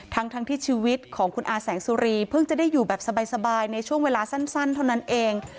ทั้งที่ชีวิตของคุณอาแสงสุรีเพิ่งจะได้อยู่แบบสบายในช่วงเวลาสั้นเท่านั้นเอง